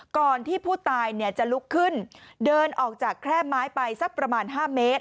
ก่อนที่ผู้ตายจะลุกขึ้นเดินออกจากแคร่ไม้ไปสักประมาณ๕เมตร